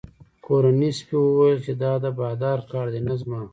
کورني سپي وویل چې دا د بادار کار دی نه زما.